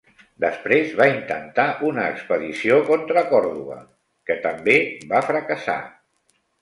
Després va intentar una expedició contra Còrdova, que també va fracassar.